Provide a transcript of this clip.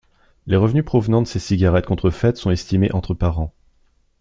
Les revenus provenant de ces cigarettes contrefaites sont estimés entre par an.